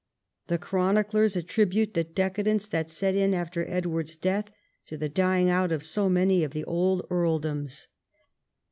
The chroniclers attribute the decadence that set in after Edward's death to the dying out of so many of the old earldoms.